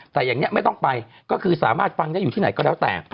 แต่อย่างนี้ไม่ต้องไปก็คือสามารถฟังได้อยู่ที่ไหนก็แล้วแต่